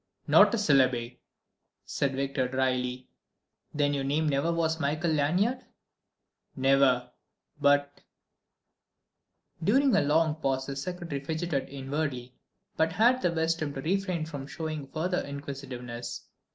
"Not a syllable," said Victor, dryly. "Then your name never was Michael Lanyard?" "Never, but ..." During a long pause the secretary fidgeted inwardly but had the wisdom to refrain from showing further inquisitiveness.